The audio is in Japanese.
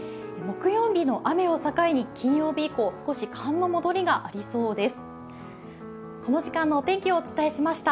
木曜日の雨を境に、金曜日以降少し寒の戻りがありそうです。